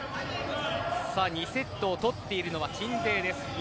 ２セットを取っているのは鎮西です。